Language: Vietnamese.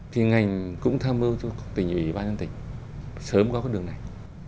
thì ngành cũng tham mưu cho tỉnh ủy ban nhân tỉnh sớm qua cái đường này